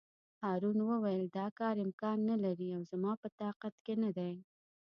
هارون وویل: دا کار امکان نه لري او زما په طاقت کې نه دی.